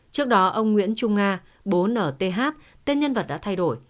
trước đó ông nguyễn trung nga bố nth tên nhân vật đã thay đổi